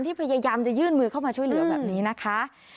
พยายามจะยื่นมือเข้ามาช่วยเหลือแบบนี้นะคะ